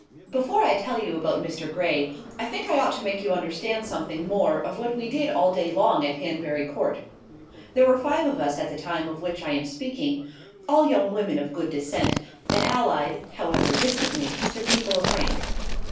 Before I tell you about Mr. Gray, I think I ought to make you understand something more of what we did all day long at Hanbury Court. There were five of us at the time of which I am speaking, all young women of good descent, and allied (however distantly) to people of rank.